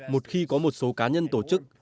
một khi có một số cá nhân tổ chức